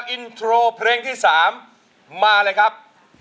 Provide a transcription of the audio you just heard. อินโทรเพลงที่๓มาเลยครับ